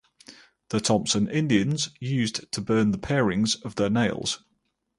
The Thompson Indians used to burn the parings of their nails.